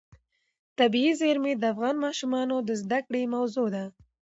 طبیعي زیرمې د افغان ماشومانو د زده کړې موضوع ده.